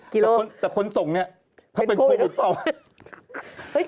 กี่โลกเป็นโควิดหรือเปล่าแต่คนส่งนี่